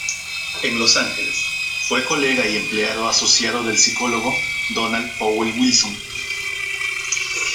En Los Ángeles, fue colega y empleado asociado del psicólogo Donald Powell Wilson.